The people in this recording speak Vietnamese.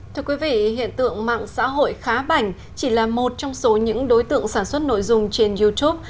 thưa quý vị hiện tượng mạng xã hội khá bảnh chỉ là một trong số những đối tượng sản xuất nội dung trên youtube